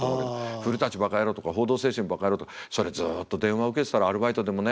「古バカ野郎」とか「報道ステーションバカ野郎」とかそれずっと電話受けてたらアルバイトでもね